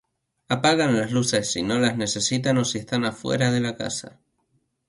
Apagan las luces si no las necesitan o si están afuera de la casa.